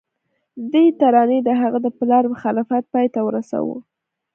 دې ترانې د هغه د پلار مخالفت پای ته ورساوه